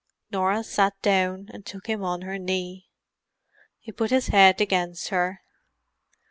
Norah sat down and took him on her knee. He put his head against her.